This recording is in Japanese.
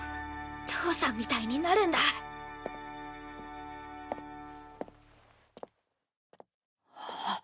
父さんみたいになるんだあっ